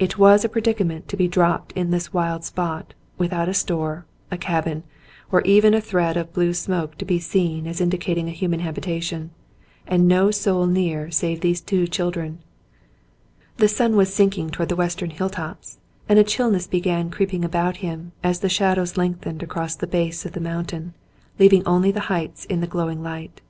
It was a predica ment to be dropped in this wild spot, without a store, a cabin, or even a thread of blue smoke to be seen as in dicating a human habitation, and no soul near save these two children. The sun was sinking toward the western hilltops, and a chillness began creeping about him as the shadows lengthened across the base of the mountain, leaving only the heights in the glowing light.